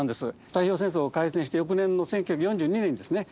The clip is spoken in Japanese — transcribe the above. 太平洋戦争を開戦して翌年の１９４２年にですね